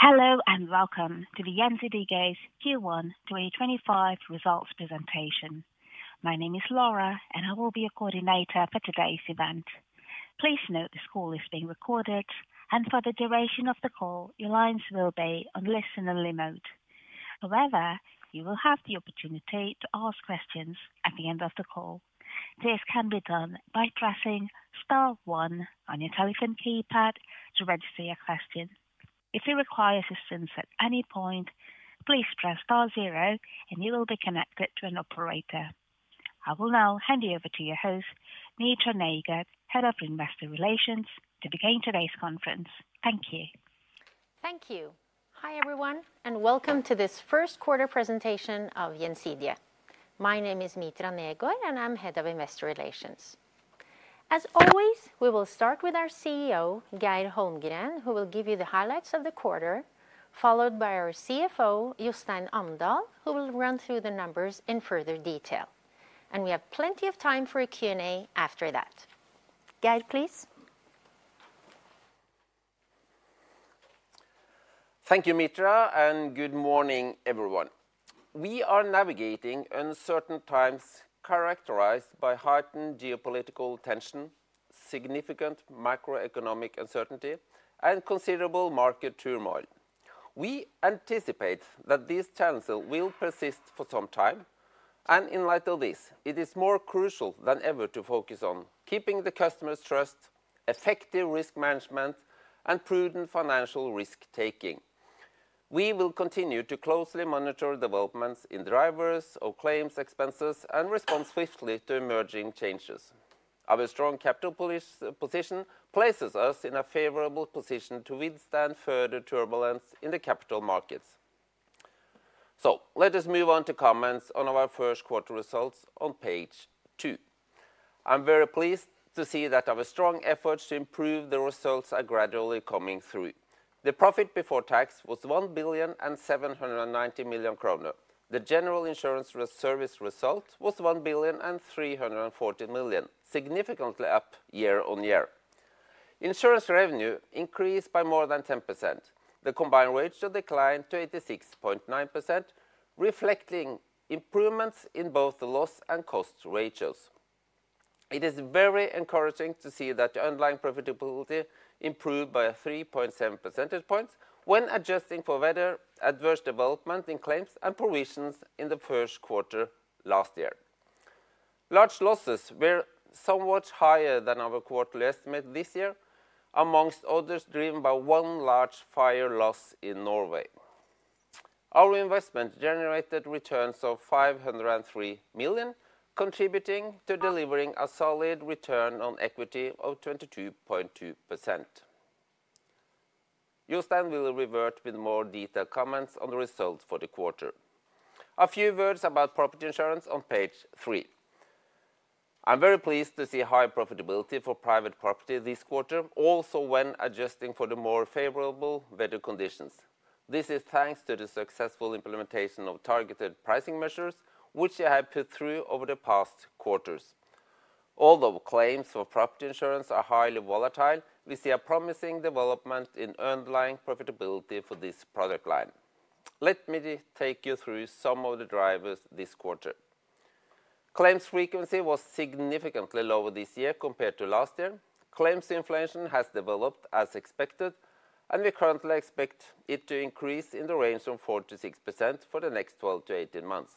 Hello and welcome to the Gjensidige's Q1 2025 results presentation. My name is Laura, and I will be your coordinator for today's event. Please note this call is being recorded, and for the duration of the call, your lines will be on listen-only mode. However, you will have the opportunity to ask questions at the end of the call. This can be done by pressing star one on your telephone keypad to register your question. If you require assistance at any point, please press star zero, and you will be connected to an operator. I will now hand you over to your host, Mitra Negård, Head of Investor Relations, to begin today's conference. Thank you. Thank you. Hi, everyone, and welcome to this first quarter presentation of Gjensidige. My name is Mitra Negård, and I'm Head of Investor Relations. As always, we will start with our CEO, Geir Holmgren, who will give you the highlights of the quarter, followed by our CFO, Jostein Amdal, who will run through the numbers in further detail. We have plenty of time for a Q&A after that. Geir, please. Thank you, Mitra, and good morning, everyone. We are navigating uncertain times characterized by heightened geopolitical tension, significant macroeconomic uncertainty, and considerable market turmoil. We anticipate that these challenges will persist for some time. In light of this, it is more crucial than ever to focus on keeping the customer's trust, effective risk management, and prudent financial risk-taking. We will continue to closely monitor developments in drivers or claims expenses and respond swiftly to emerging changes. Our strong capital position places us in a favorable position to withstand further turbulence in the capital markets. Let us move on to comments on our first quarter results on page two. I'm very pleased to see that our strong efforts to improve the results are gradually coming through. The profit before tax was 1,790,000,000 kroner. The General Insurance Service result was 1,340,000,000, significantly up year-on-year. Insurance revenue increased by more than 10%. The combined ratio declined to 86.9%, reflecting improvements in both the loss and cost ratios. It is very encouraging to see that the underlying profitability improved by 3.7 percentage points when adjusting for weather adverse developments in claims and provisions in the first quarter last year. Large losses were somewhat higher than our quarterly estimate this year, amongst others driven by one large fire loss in Norway. Our investment generated returns of 503,000,000, contributing to delivering a solid return on equity of 22.2%. Jostein will revert with more detailed comments on the results for the quarter. A few words about Property Insurance on page three. I'm very pleased to see high profitability for private property this quarter, also when adjusting for the more favorable weather conditions. This is thanks to the successful implementation of targeted pricing measures, which I have put through over the past quarters. Although claims for Property Insurance are highly volatile, we see a promising development in underlying profitability for this product line. Let me take you through some of the drivers this quarter. Claims frequency was significantly lower this year compared to last year. Claims inflation has developed as expected, and we currently expect it to increase in the range of 4%-6% for the next 12 months-18 months.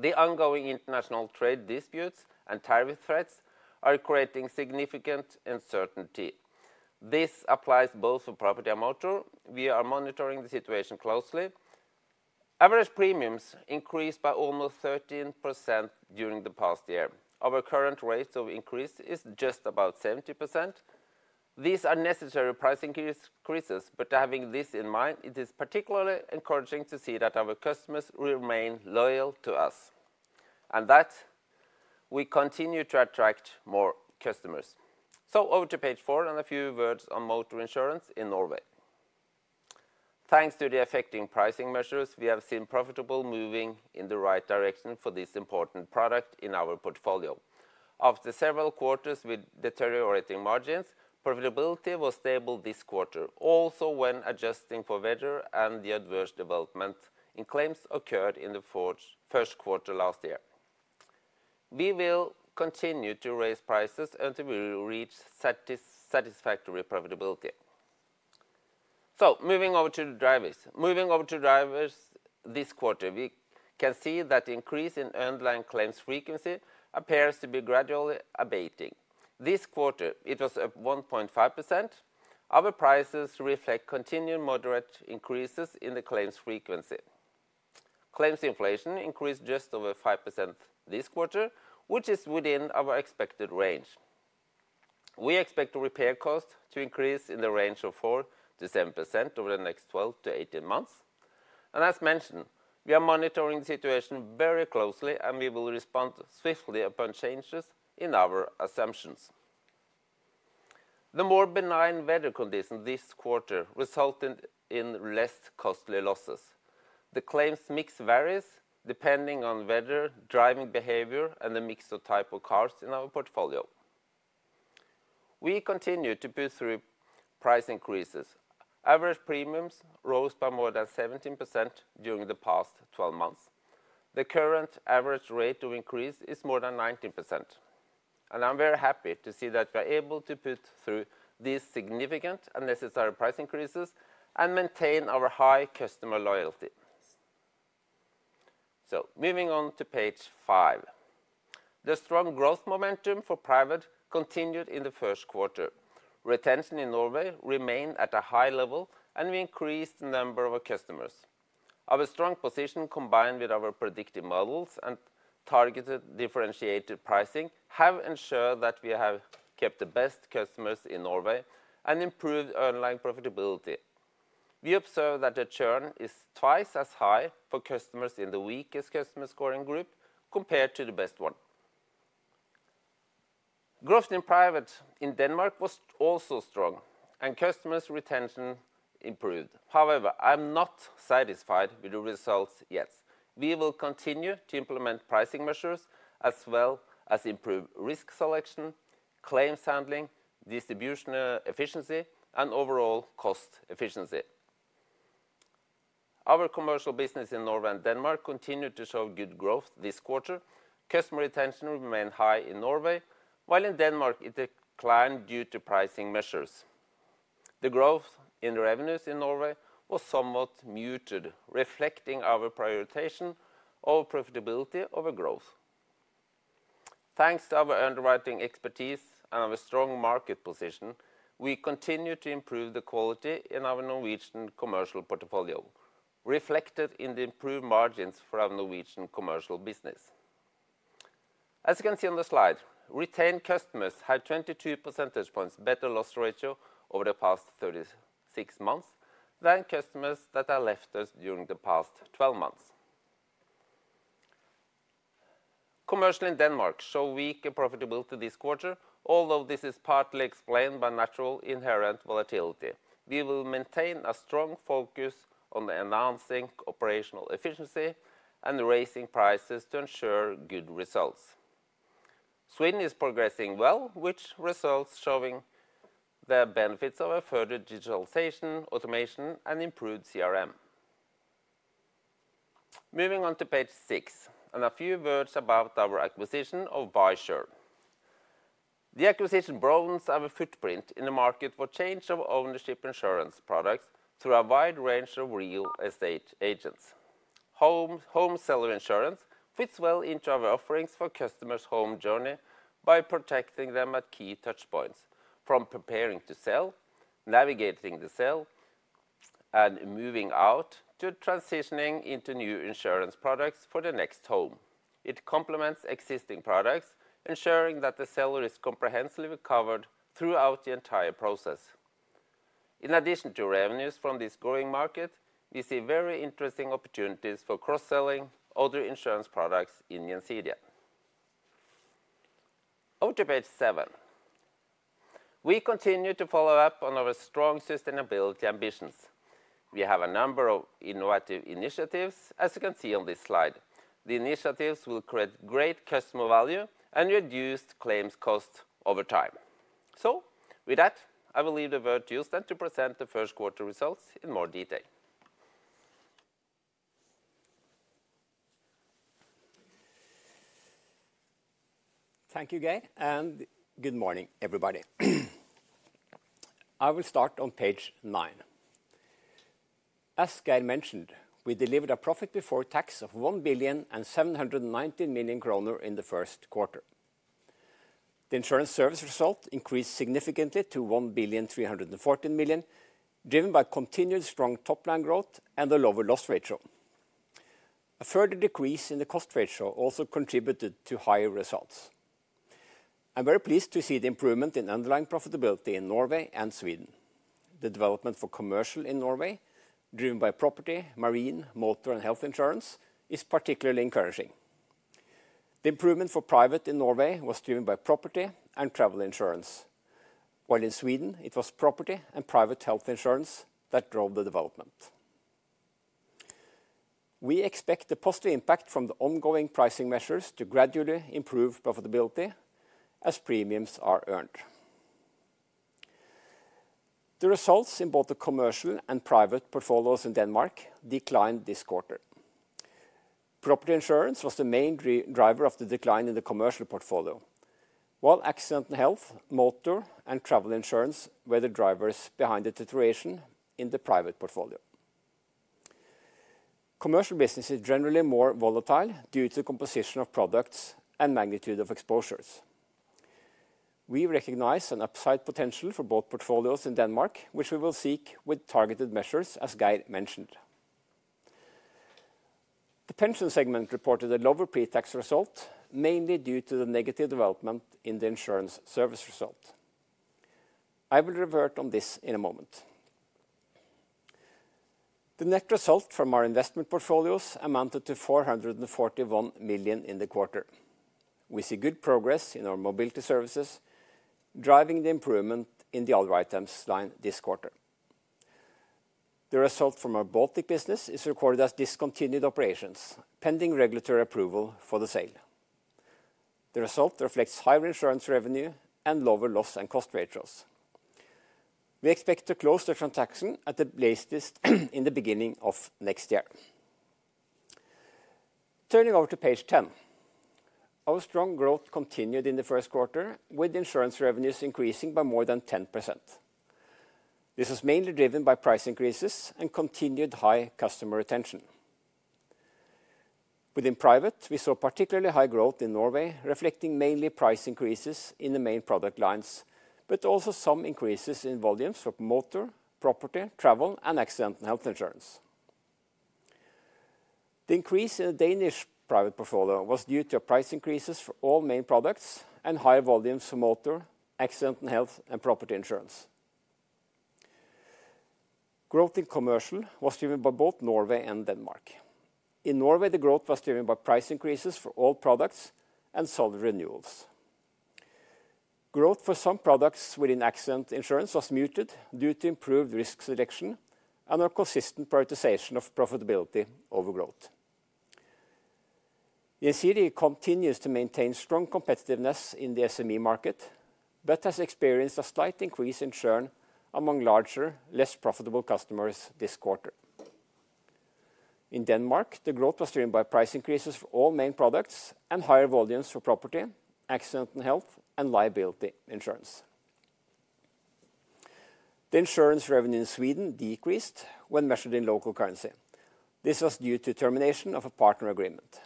The ongoing international trade disputes and tariff threats are creating significant uncertainty. This applies both to Property and Motor. We are monitoring the situation closely. Average premiums increased by almost 13% during the past year. Our current rate of increase is just about 70%. These are necessary price increases, but having this in mind, it is particularly encouraging to see that our customers remain loyal to us and that we continue to attract more customers. Over to page four and a few words on Motor Insurance in Norway. Thanks to the affecting pricing measures, we have seen profitability moving in the right direction for this important product in our portfolio. After several quarters with deteriorating margins, profitability was stable this quarter, also when adjusting for weather and the adverse developments in claims that occurred in the first quarter last year. We will continue to raise prices until we reach satisfactory profitability. Moving over to the drivers this quarter, we can see that the increase in underlying claims frequency appears to be gradually abating. This quarter, it was at 1.5%. Our prices reflect continued moderate increases in the claims frequency. Claims inflation increased just over 5% this quarter, which is within our expected range. We expect the repair cost to increase in the range of 4%-7% over the next 12 months-18 months. As mentioned, we are monitoring the situation very closely, and we will respond swiftly upon changes in our assumptions. The more benign weather conditions this quarter resulted in less costly losses. The claims mix varies depending on weather, driving behavior, and the mix of type of cars in our portfolio. We continue to put through price increases. Average premiums rose by more than 17% during the past 12 months. The current average rate of increase is more than 19%. I am very happy to see that we are able to put through these significant and necessary price increases and maintain our high customer loyalty. Moving on to page five. The strong growth momentum for private continued in the first quarter. Retention in Norway remained at a high level, and we increased the number of our customers. Our strong position, combined with our predictive models and targeted differentiated pricing, have ensured that we have kept the best customers in Norway and improved underlying profitability. We observe that the churn is twice as high for customers in the weakest customer scoring group compared to the best one. Growth in Private in Denmark was also strong, and customers' retention improved. However, I'm not satisfied with the results yet. We will continue to implement pricing measures as well as improve risk selection, claims handling, distribution efficiency, and overall cost efficiency. Our Commercial business in Norway and Denmark continued to show good growth this quarter. Customer retention remained high in Norway, while in Denmark it declined due to pricing measures. The growth in revenues in Norway was somewhat muted, reflecting our prioritization of profitability over growth. Thanks to our underwriting expertise and our strong market position, we continue to improve the quality in our Norwegian Commercial portfolio, reflected in the improved margins for our Norwegian Commercial business. As you can see on the slide, retained customers had 22 percentage points better loss ratio over the past 36 months than customers that have left us during the past 12 months. Commercial in Denmark showed weaker profitability this quarter, although this is partly explained by natural inherent volatility. We will maintain a strong focus on enhancing operational efficiency and raising prices to ensure good results. Sweden is progressing well, which results in showing the benefits of further digitalization, automation, and improved CRM. Moving on to page six and a few words about our acquisition of Buysure. The acquisition broadens our footprint in the market for change of ownership insurance products through a wide range of real estate agents. Home seller insurance fits well into our offerings for customers' home journey by protecting them at key touchpoints from preparing to sell, navigating the sale, and moving out to transitioning into new insurance products for the next home. It complements existing products, ensuring that the seller is comprehensively covered throughout the entire process. In addition to revenues from this growing market, we see very interesting opportunities for cross-selling other insurance products in Gjensidige. Over to page seven. We continue to follow up on our strong sustainability ambitions. We have a number of innovative initiatives, as you can see on this slide. The initiatives will create great customer value and reduce claims cost over time. With that, I will leave the word to Jostein to present the first quarter results in more detail. Thank you, Geir, and good morning, everybody. I will start on page nine. As Geir mentioned, we delivered a profit before tax of 1,790,000,000 kroner in the first quarter. The insurance service result increased significantly to 1,314,000,000, driven by continued strong top-line growth and the lower loss ratio. A further decrease in the cost ratio also contributed to higher results. I'm very pleased to see the improvement in underlying profitability in Norway and Sweden. The development for Commercial in Norway, driven by Property, Marine, Motor, and Health Insurance, is particularly encouraging. The improvement for Private in Norway was driven by Property and Travel Insurance, while in Sweden, it was Property and Private Health Insurance that drove the development. We expect the positive impact from the ongoing pricing measures to gradually improve profitability as premiums are earned. The results in both the Commercial and Private portfolios in Denmark declined this quarter. Property Insurance was the main driver of the decline in the Commercial portfolio, while Accident and Health, Motor, and Travel Insurance were the drivers behind the deterioration in the Private portfolio. Commercial business is generally more volatile due to the composition of products and magnitude of exposures. We recognize an upside potential for both portfolios in Denmark, which we will seek with targeted measures, as Geir mentioned. The Pension segment reported a lower pre-tax result, mainly due to the negative development in the insurance service result. I will revert on this in a moment. The net result from our investment portfolios amounted to 441,000,000 in the quarter. We see good progress in our mobility services, driving the improvement in the other items line this quarter. The result from our Baltic business is recorded as discontinued operations pending regulatory approval for the sale. The result reflects higher insurance revenue and lower loss and cost ratios. We expect to close the transaction at the latest in the beginning of next year. Turning over to page ten. Our strong growth continued in the first quarter, with insurance revenues increasing by more than 10%. This was mainly driven by price increases and continued high customer retention. Within private, we saw particularly high growth in Norway, reflecting mainly price increases in the main product lines, but also some increases in volumes for Motor, Property, Travel, and Accident and Health Insurance. The increase in the Danish Private portfolio was due to price increases for all main products and higher volumes for Motor, Accident and Health, and Property Insurance. Growth in Commercial was driven by both Norway and Denmark. In Norway, the growth was driven by price increases for all products and solid renewals. Growth for some products within accident insurance was muted due to improved risk selection and a consistent prioritization of profitability over growth. Gjensidige continues to maintain strong competitiveness in the SME market, but has experienced a slight increase in churn among larger, less profitable customers this quarter. In Denmark, the growth was driven by price increases for all main products and higher volumes for Property, Accident and Health, and Liability Insurance. The insurance revenue in Sweden decreased when measured in local currency. This was due to termination of a partner agreement.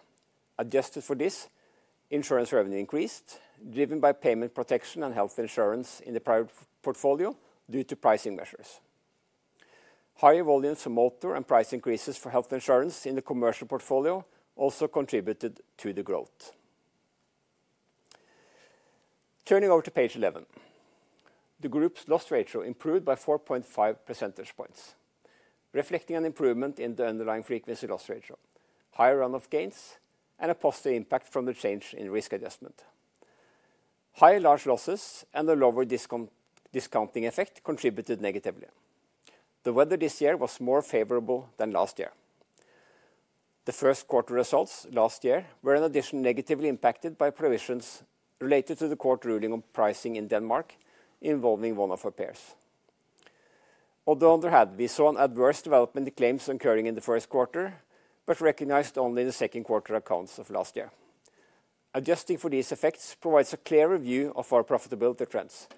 Adjusted for this, insurance revenue increased, driven by payment protection and health insurance in the private portfolio due to pricing measures. Higher volumes for Motor and price increases for Health Insurance in the commercial portfolio also contributed to the growth. Turning over to page 11. The group's loss ratio improved by 4.5 percentage points, reflecting an improvement in the underlying frequency loss ratio, higher runoff gains, and a positive impact from the change in risk adjustment. Higher large losses and a lower discounting effect contributed negatively. The weather this year was more favorable than last year. The first quarter results last year were in addition negatively impacted by provisions related to the court ruling on pricing in Denmark involving one of our peers. Although on the one hand, we saw an adverse development in claims occurring in the first quarter, but recognized only in the second quarter accounts of last year. Adjusting for these effects provides a clearer view of our profitability trends.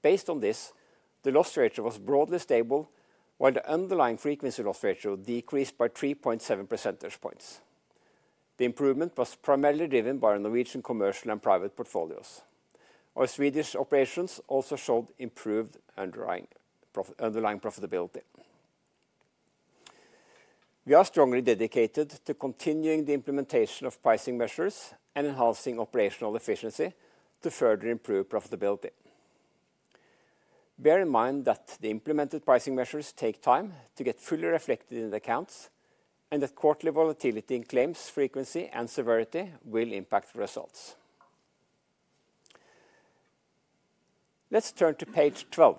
Based on this, the loss ratio was broadly stable, while the underlying frequency loss ratio decreased by 3.7 percentage points. The improvement was primarily driven by our Norwegian Commercial and Private portfolios. Our Swedish operations also showed improved underlying profitability. We are strongly dedicated to continuing the implementation of pricing measures and enhancing operational efficiency to further improve profitability. Bear in mind that the implemented pricing measures take time to get fully reflected in the accounts and that quarterly volatility in claims, frequency, and severity will impact results. Let's turn to page 12.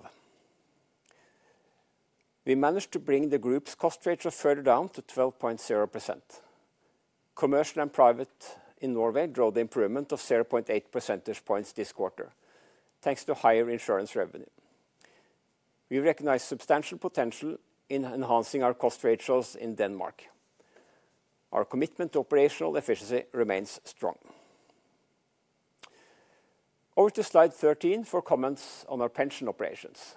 We managed to bring the group's cost ratio further down to 12.0%. Commercial and Private in Norway drove the improvement of 0.8 percentage points this quarter, thanks to higher insurance revenue. We recognize substantial potential in enhancing our cost ratios in Denmark. Our commitment to operational efficiency remains strong. Over to slide 13 for comments on our Pension operations.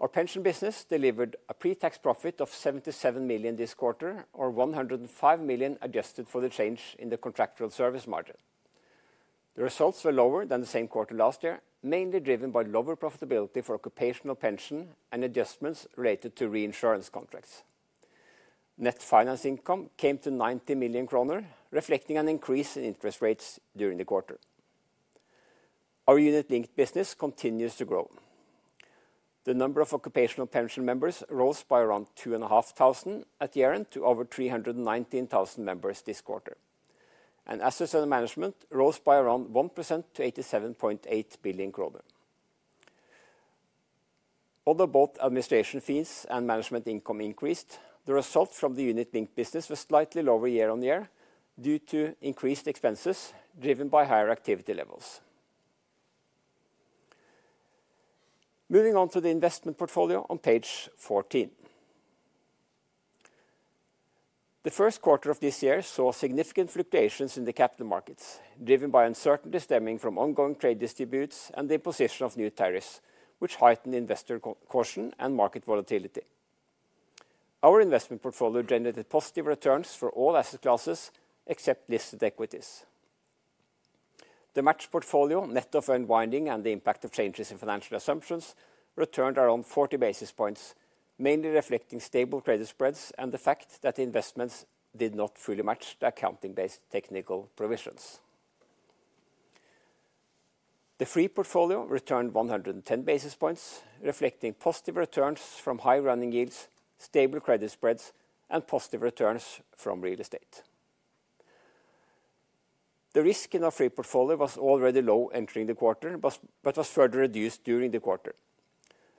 Our Pension business delivered a pre-tax profit of 77 million this quarter, or 105 million adjusted for the change in the contractual service margin. The results were lower than the same quarter last year, mainly driven by lower profitability for Occupational Pension and adjustments related to reinsurance contracts. Net finance income came to 90 million kroner, reflecting an increase in interest rates during the quarter. Our unit-linked business continues to grow. The number of Occupational Pension members rose by around 2,500 at year-end to over 319,000 members this quarter. Assets under management rose by around 1% to 87.8 billion kroner. Although both administration fees and management income increased, the result from the unit-linked business was slightly lower year-on-year due to increased expenses driven by higher activity levels. Moving on to the investment portfolio on page 14. The first quarter of this year saw significant fluctuations in the capital markets, driven by uncertainty stemming from ongoing trade disputes and the imposition of new tariffs, which heightened investor caution and market volatility. Our investment portfolio generated positive returns for all asset classes except listed equities. The matched portfolio, net of unwinding and the impact of changes in financial assumptions, returned around 40 basis points, mainly reflecting stable credit spreads and the fact that the investments did not fully match the accounting-based technical provisions. The free portfolio returned 110 basis points, reflecting positive returns from high-running yields, stable credit spreads, and positive returns from real estate. The risk in our free portfolio was already low entering the quarter, but was further reduced during the quarter.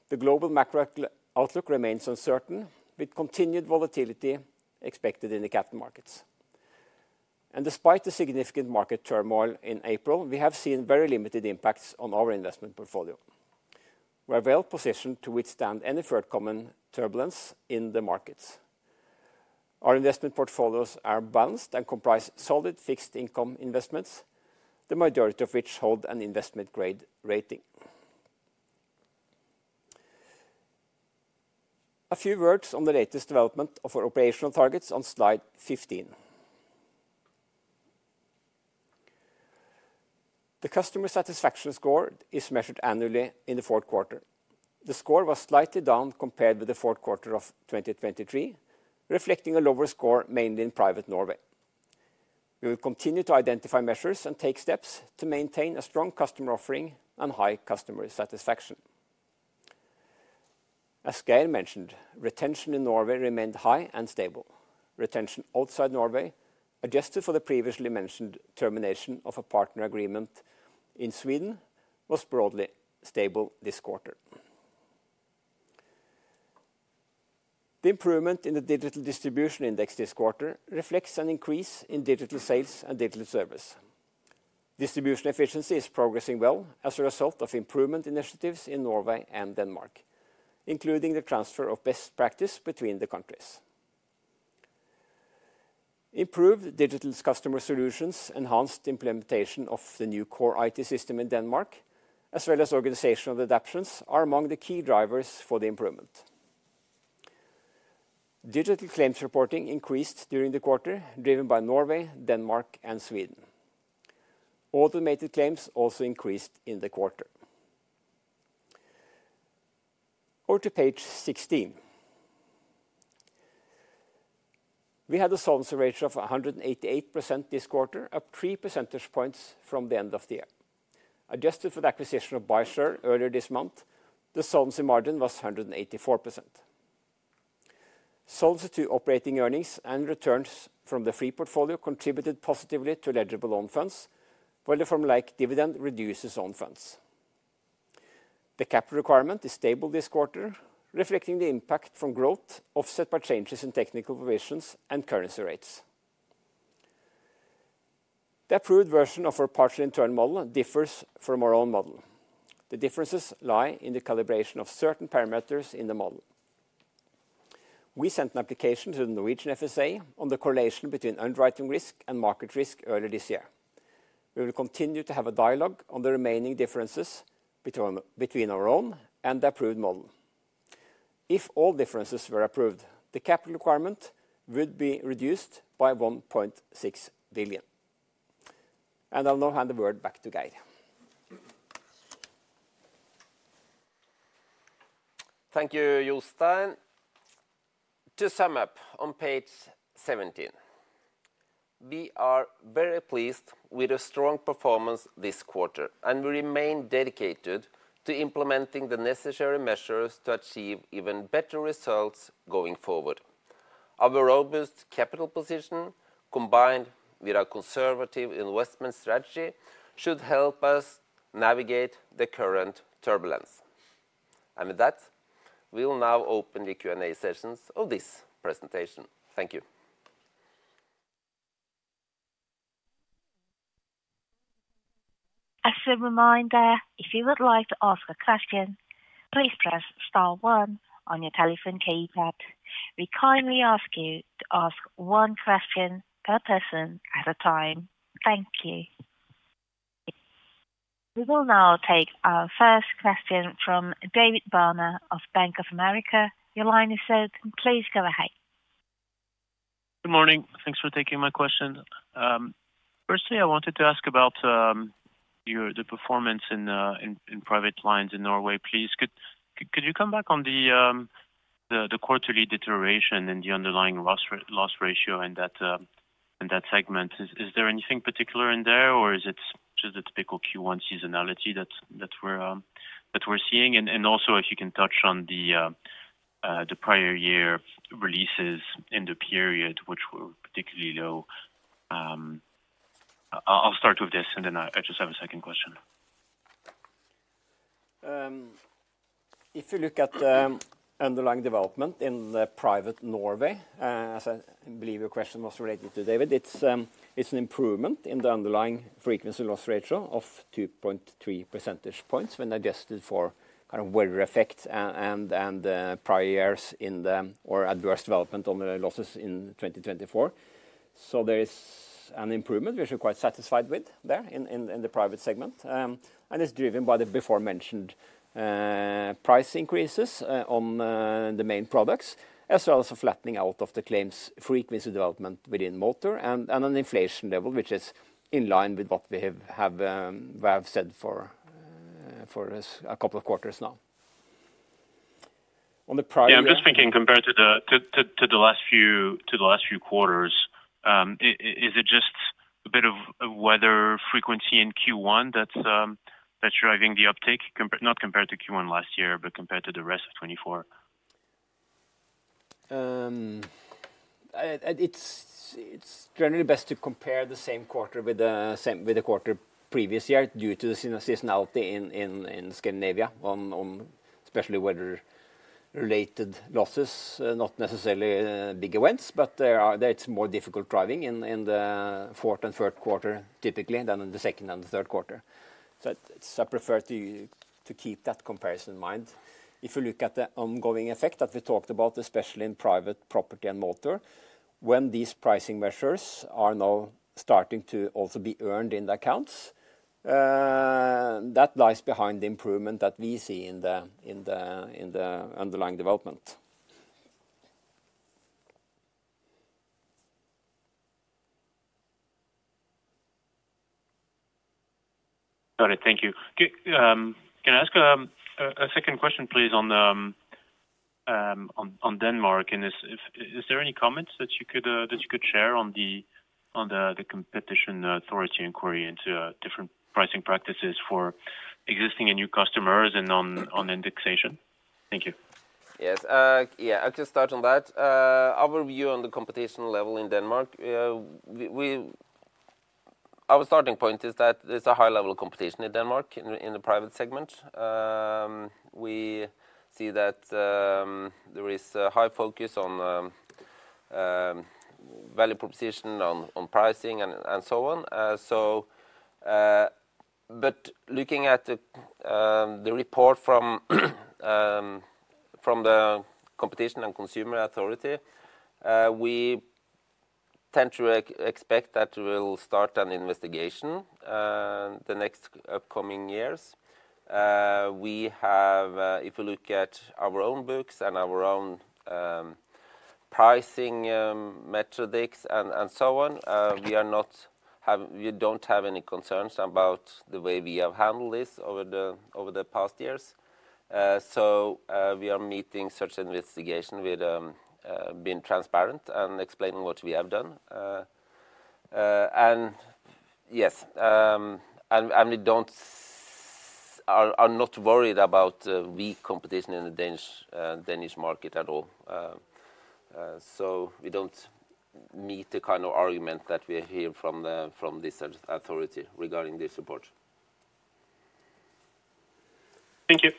The global macro outlook remains uncertain, with continued volatility expected in the capital markets. Despite the significant market turmoil in April, we have seen very limited impacts on our investment portfolio. We are well positioned to withstand any forthcoming turbulence in the markets. Our investment portfolios are balanced and comprise solid fixed income investments, the majority of which hold an investment-grade rating. A few words on the latest development of our operational targets on slide 15. The customer satisfaction score is measured annually in the fourth quarter. The score was slightly down compared with the fourth quarter of 2023, reflecting a lower score mainly in Private Norway. We will continue to identify measures and take steps to maintain a strong customer offering and high customer satisfaction. As Geir mentioned, retention in Norway remained high and stable. Retention outside Norway, adjusted for the previously mentioned termination of a partner agreement in Sweden, was broadly stable this quarter. The improvement in the digital distribution index this quarter reflects an increase in digital sales and digital service. Distribution efficiency is progressing well as a result of improvement initiatives in Norway and Denmark, including the transfer of best practice between the countries. Improved digital customer solutions, enhanced implementation of the new core IT system in Denmark, as well as organizational adaptations, are among the key drivers for the improvement. Digital claims reporting increased during the quarter, driven by Norway, Denmark, and Sweden. Automated claims also increased in the quarter. Over to page 16. We had a solvency ratio of 188% this quarter, up 3 percentage points from the end of the year. Adjusted for the acquisition of Buysure earlier this month, the solvency margin was 184%. Solvency II operating earnings and returns from the free portfolio contributed positively to eligible own funds, while the formulaic dividend reduces own funds. The cap requirement is stable this quarter, reflecting the impact from growth offset by changes in technical provisions and currency rates. The approved version of our partial internal model differs from our own model. The differences lie in the calibration of certain parameters in the model. We sent an application to the Norwegian FSA on the correlation between underwriting risk and market risk earlier this year. We will continue to have a dialogue on the remaining differences between our own and the approved model. If all differences were approved, the cap requirement would be reduced by 1.6 billion. I'll now hand the word back to Geir. Thank you, Jostein. To sum up on page 17, we are very pleased with the strong performance this quarter, and we remain dedicated to implementing the necessary measures to achieve even better results going forward. Our robust capital position, combined with our conservative investment strategy, should help us navigate the current turbulence. With that, we'll now open the Q&A sessions of this presentation. Thank you. As a reminder, if you would like to ask a question, please press star one on your telephone keypad. We kindly ask you to ask one question per person at a time. Thank you. We will now take our first question from David Barma of Bank of America. Your line is open. Please go ahead. Good morning. Thanks for taking my question. Firstly, I wanted to ask about your performance in Private lines in Norway, please. Could you come back on the quarterly deterioration and the underlying loss ratio in that segment? Is there anything particular in there, or is it just the typical Q1 seasonality that we're seeing? Also, if you can touch on the prior year releases in the period, which were particularly low. I'll start with this, and then I just have a second question. If you look at underlying development in Private Norway, as I believe your question was related to, David, it's an improvement in the underlying frequency loss ratio of 2.3 percentage points when adjusted for kind of weather effects and prior years in the or adverse development on the losses in 2024. There is an improvement which we're quite satisfied with there in the private segment. It's driven by the before-mentioned price increases on the main products, as well as a flattening out of the claims frequency development within Motor and an inflation level, which is in line with what we have said for a couple of quarters now. On the prior year, I'm just thinking compared to the last few quarters, is it just a bit of weather frequency in Q1 that's driving the uptake, not compared to Q1 last year, but compared to the rest of 2024? It's generally best to compare the same quarter with the quarter previous year due to the seasonality in Scandinavia, especially weather-related losses, not necessarily big events, but it's more difficult driving in the fourth and third quarter typically than in the second and the third quarter. I prefer to keep that comparison in mind. If you look at the ongoing effect that we talked about, especially in private property and motor, when these pricing measures are now starting to also be earned in the accounts, that lies behind the improvement that we see in the underlying development. Got it. Thank you. Can I ask a second question, please, on Denmark? Is there any comments that you could share on the Competition Authority inquiry into different pricing practices for existing and new customers and on indexation? Thank you. Yes. Yeah, I can start on that. Our view on the competition level in Denmark, our starting point is that there's a high level of competition in Denmark in the Private segment. We see that there is a high focus on value proposition, on pricing, and so on. Looking at the report from the Competition and Consumer Authority, we tend to expect that they will start an investigation the next upcoming years. If you look at our own books and our own pricing metrics and so on, we do not have any concerns about the way we have handled this over the past years. We are meeting such investigation with being transparent and explaining what we have done. Yes, and I'm not worried about weak competition in the Danish market at all. We do not meet the kind of argument that we hear from this Authority regarding this report. Thank you.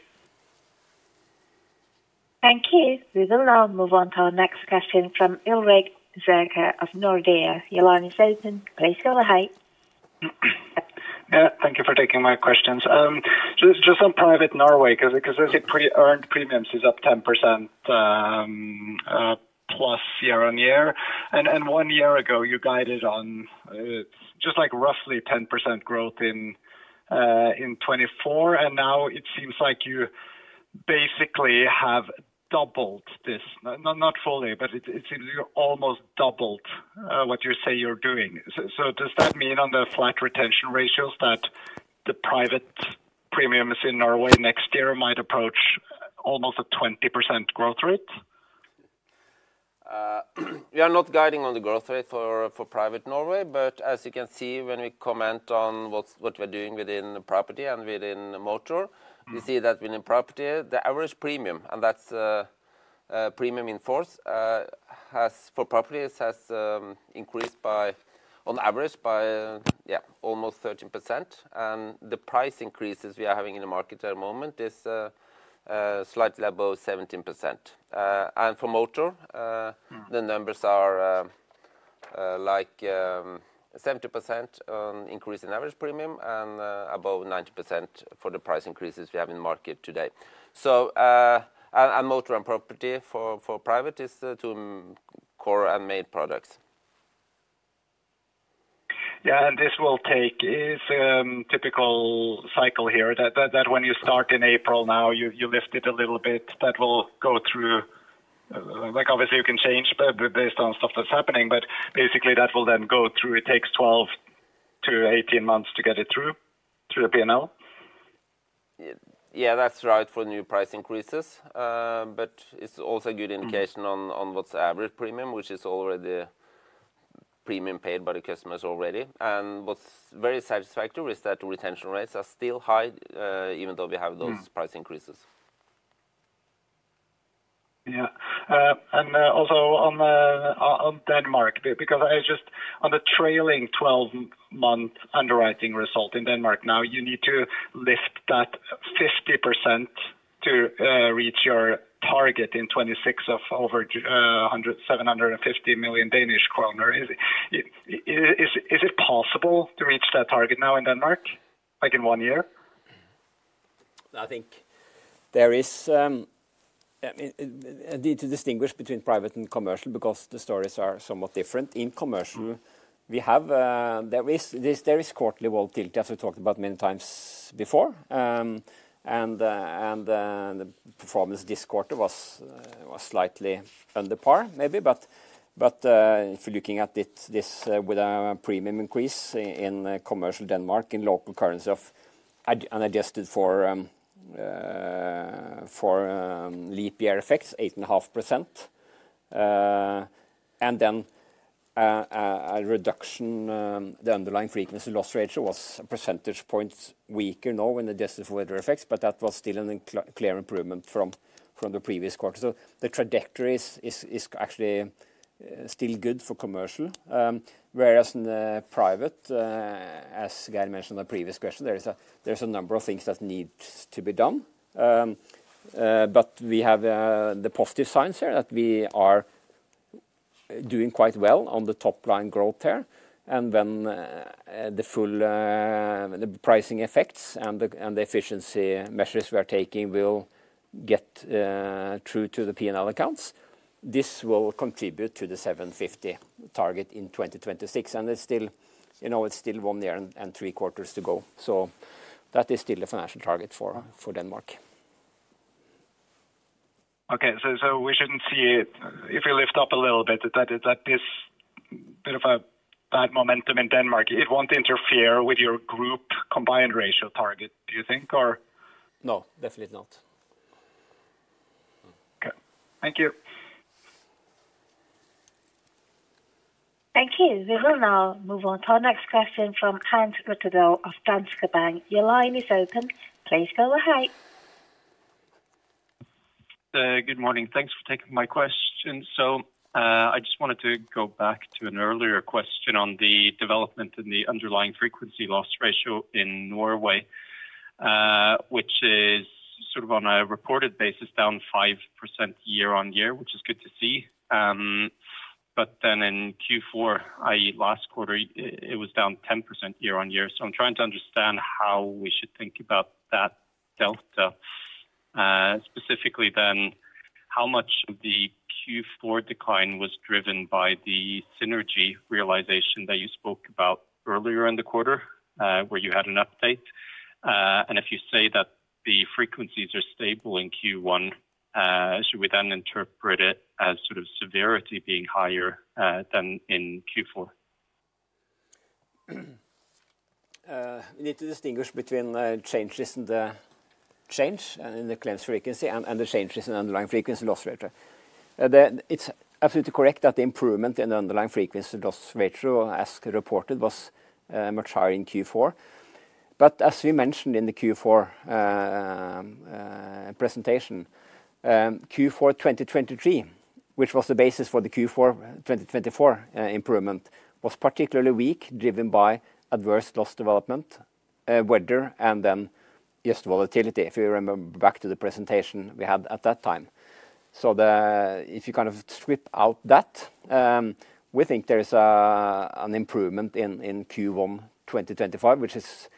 Thank you. We will now move on to our next question from Ulrik Zürcher of Nordea. Your line is open. Please go ahead. Yeah, thank you for taking my questions. Just on Private Norway, because I see earned premiums is up 10%+ year-on-year. And one year ago, you guided on just like roughly 10% growth in 2024. And now it seems like you basically have doubled this. Not fully, but it seems you almost doubled what you say you are doing. Does that mean on the flat retention ratios that the Private premiums in Norway next year might approach almost a 20% growth rate? We are not guiding on the growth rate for Private Norway, but as you can see, when we comment on what we are doing within Property and within Motor, you see that within Property, the average premium, and that is premium in force, for Property, it has increased on average by almost 13%. The price increases we are having in the market at the moment is slightly above 17%. For Motor, the numbers are like 17% increase in average premium and above 19% for the price increases we have in the market today. Motor and Property for Private is two core and main products. Yeah, and this will take its typical cycle here that when you start in April now, you lift it a little bit. That will go through, obviously, you can change based on stuff that's happening, but basically that will then go through. It takes 12 months-18 months to get it through the P&L? Yeah, that's right for new price increases, but it's also a good indication on what's average premium, which is already premium paid by the customers already. What's very satisfactory is that the retention rates are still high, even though we have those price increases. Yeah. Also on Denmark, because on the trailing 12-month underwriting result in Denmark now, you need to lift that 50% to reach your target in 2026 of over 750 million Danish kroner. Is it possible to reach that target now in Denmark in one year? I think there is a need to distinguish between Private and Commercial because the stories are somewhat different. In Commercial, there is quarterly volatility, as we talked about many times before. The performance this quarter was slightly under par, maybe. If you're looking at this with a premium increase in Commercial Denmark in local currency and adjusted for leap year effects, 8.5%. A reduction, the underlying frequency loss ratio was a percentage point weaker now when adjusted for weather effects, but that was still a clear improvement from the previous quarter. The trajectory is actually still good for Commercial, whereas in the Private, as Geir mentioned in the previous question, there's a number of things that need to be done. We have the positive signs here that we are doing quite well on the top-line growth there. When the pricing effects and the efficiency measures we are taking will get through to the P&L accounts, this will contribute to the 750 target in 2026. It is still one year and three quarters to go. That is still a financial target for Denmark. Okay. We should not see it, if we lift up a little bit, that there is a bit of a bad momentum in Denmark. It will not interfere with your group combined ratio target, do you think? No, definitely not. Okay. Thank you. Thank you. We will now move on to our next question from Hans Rettedal of Danske Bank. Your line is open. Please go ahead. Good morning. Thanks for taking my question. I just wanted to go back to an earlier question on the development in the underlying frequency loss ratio in Norway, which is sort of on a reported basis down 5% year-on-year, which is good to see. Then in Q4, i.e., last quarter, it was down 10% year-on-year. I'm trying to understand how we should think about that delta. Specifically, how much of the Q4 decline was driven by the synergy realization that you spoke about earlier in the quarter where you had an update? If you say that the frequencies are stable in Q1, should we then interpret it as sort of severity being higher than in Q4? We need to distinguish between changes in the claims frequency and the changes in the underlying frequency loss ratio. It's absolutely correct that the improvement in the underlying frequency loss ratio, as reported, was much higher in Q4. As we mentioned in the Q4 presentation, Q4 2023, which was the basis for the Q4 2024 improvement, was particularly weak, driven by adverse loss development, weather, and then just volatility, if you remember back to the presentation we had at that time. If you kind of strip out that, we think there is an improvement in Q1 2025, which is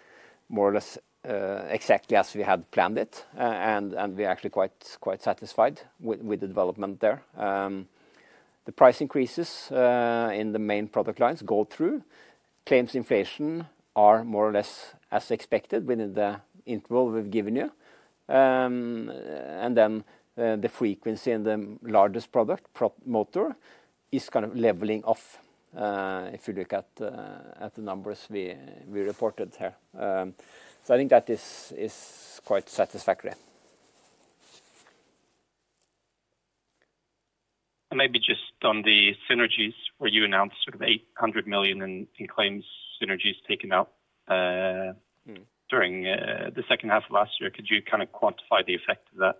more or less exactly as we had planned it. We're actually quite satisfied with the development there. The price increases in the main product lines go through. Claims inflation is more or less as expected within the interval we've given you. The frequency in the largest product, Motor, is kind of leveling off if you look at the numbers we reported here. I think that is quite satisfactory. Maybe just on the synergies where you announced sort of 800 million in claims synergies taken out during the second half of last year, could you kind of quantify the effect of that?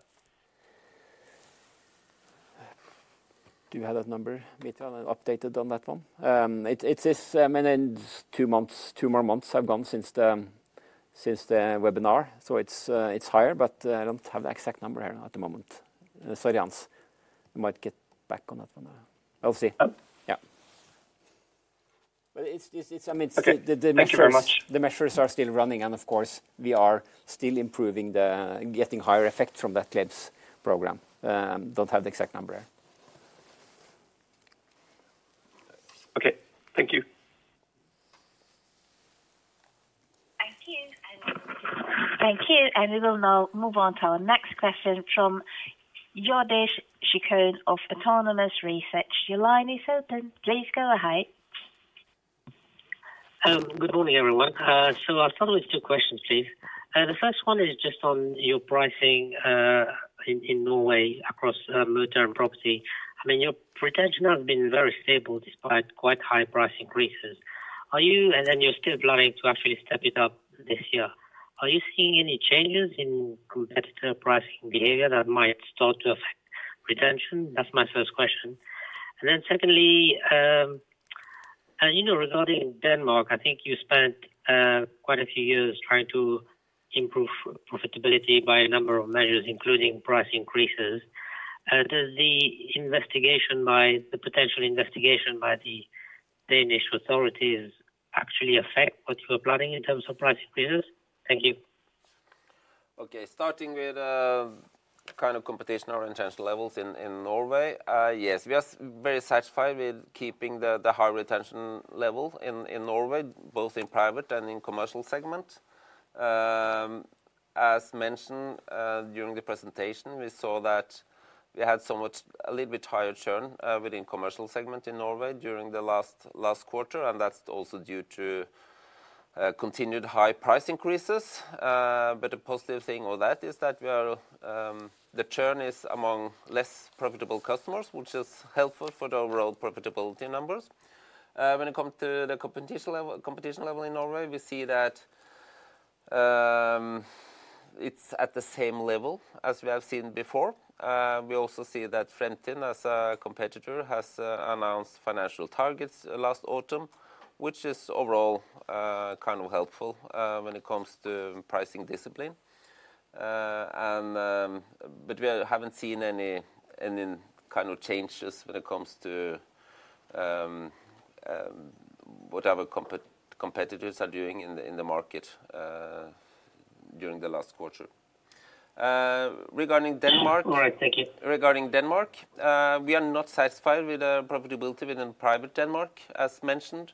Do you have that number, data, and updated on that one? It is two more months have gone since the webinar, so it is higher, but I do not have the exact number here at the moment. Sorry, Hans. You might get back on that one. I will see. Yeah. The measures are still running, and of course, we are still improving, getting higher effect from that claims program. Do not have the exact number here. Okay. Thank you. Thank you. We will now move on to our next question from Youdish Chicooree of Autonomous Research. Your line is open. Please go ahead. Good morning, everyone. I'll start with two questions, please. The first one is just on your pricing in Norway across Motor and Property. I mean, your retention has been very stable despite quite high price increases. I mean, you're still planning to actually step it up this year. Are you seeing any changes in competitor pricing behavior that might start to affect retention? That's my first question. Secondly, regarding Denmark, I think you spent quite a few years trying to improve profitability by a number of measures, including price increases. Does the potential investigation by the Danish authorities actually affect what you are planning in terms of price increases? Thank you. Okay. Starting with kind of competition or retention levels in Norway, yes, we are very satisfied with keeping the high retention level in Norway, both in Private and in Commercial segment. As mentioned during the presentation, we saw that we had somewhat a little bit higher churn within the Commercial segment in Norway during the last quarter, and that is also due to continued high price increases. The positive thing of that is that the churn is among less profitable customers, which is helpful for the overall profitability numbers. When it comes to the competition level in Norway, we see that it is at the same level as we have seen before. We also see that Fremtind as a competitor has announced financial targets last autumn, which is overall kind of helpful when it comes to pricing discipline. We have not seen any kind of changes when it comes to what our competitors are doing in the market during the last quarter. Thank you. Regarding Denmark, we are not satisfied with the profitability within Private Denmark, as mentioned.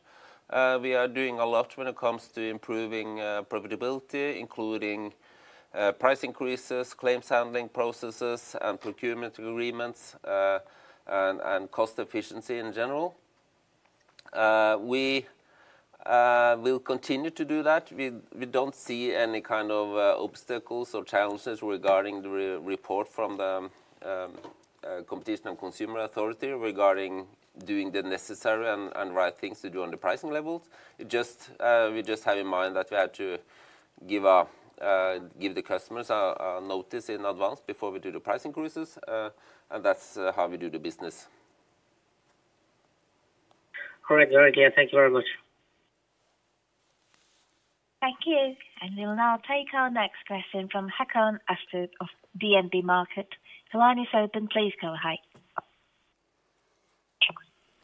We are doing a lot when it comes to improving profitability, including price increases, claims handling processes, and procurement agreements, and cost efficiency in general. We will continue to do that. We do not see any kind of obstacles or challenges regarding the report from the Competition and Consumer Authority regarding doing the necessary and right things to do on the pricing levels. We just have in mind that we have to give the customers a notice in advance before we do the price increases, and that is how we do the business. All right. Very good. Thank you very much. Thank you. We will now take our next question from Håkon Astrup of DNB Markets. The line is open. Please go ahead.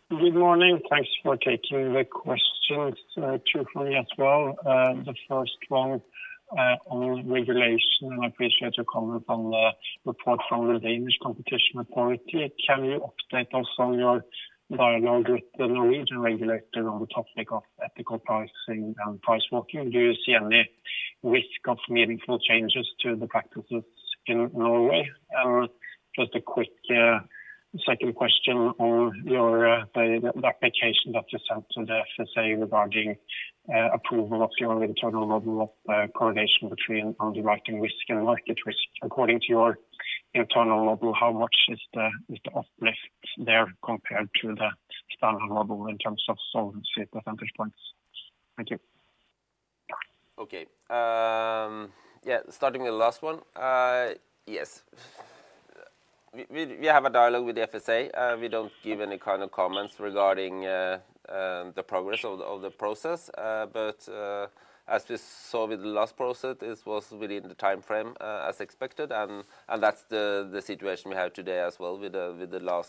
Good morning. Thanks for taking the questions. Two for me as well. The first one on regulation. I appreciate your comment on the report from the Danish Competition Authority. Can you update us on your dialogue with the Norwegian regulatory on the topic of ethical pricing and price walking? Do you see any risk of meaningful changes to the practices in Norway? Just a quick second question on the application that you sent to the FSA regarding approval of your internal model of correlation between underwriting risk and market risk. According to your internal model, how much is the uplift there compared to the standard model in terms of solvency percentage points? Thank you. Okay. Yeah. Starting with the last one, yes. We have a dialogue with the FSA. We do not give any kind of comments regarding the progress of the process. As we saw with the last process, it was within the timeframe as expected. That's the situation we have today as well with the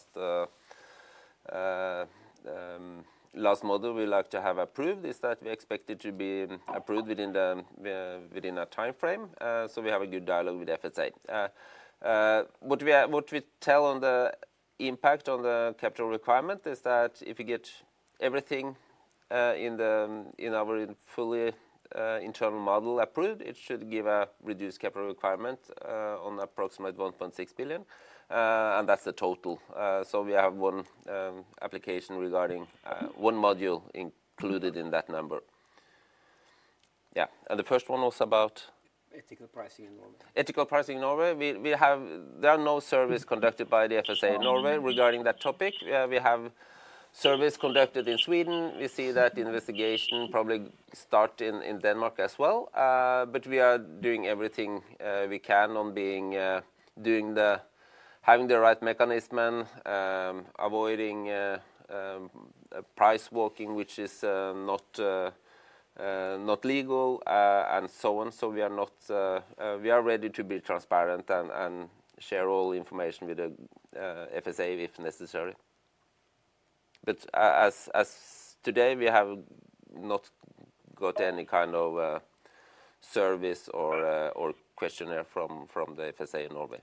last model we'd like to have approved. We expect it to be approved within a timeframe. We have a good dialogue with the FSA. What we tell on the impact on the capital requirement is that if you get everything in our fully internal model approved, it should give a reduced capital requirement of approximately 1.6 billion. That's the total. We have one application regarding one module included in that number. Yeah. The first one was about? Ethical pricing in Norway. Ethical pricing in Norway. There are no surveys conducted by the FSA in Norway regarding that topic. We have surveys conducted in Sweden. We see that the investigation probably starts in Denmark as well. We are doing everything we can on having the right mechanism, avoiding price walking, which is not legal, and so on. We are ready to be transparent and share all information with the FSA if necessary. As of today, we have not got any kind of surveys or questionnaires from the FSA in Norway.